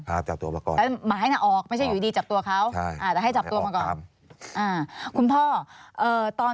ครับจับตัวมาก่อน